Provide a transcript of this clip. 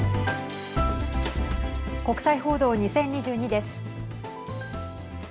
国際報道２０２２です。